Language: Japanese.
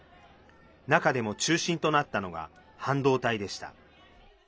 中でも中心となったのが半導体でした。